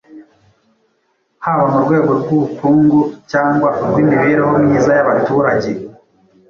haba mu rwego rw’ubukungu cyangwa urw’imibereho myiza y’abaturage.